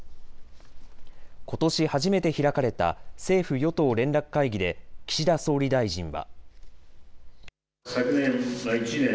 ことし初めて開かれた政府与党連絡会議で岸田総理大臣は。